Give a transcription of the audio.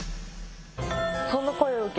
そんな声を受け